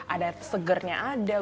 ada segernya ada